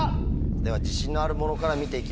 では自信のあるものから見て行きましょう。